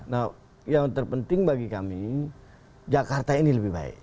nah yang terpenting bagi kami jakarta ini lebih baik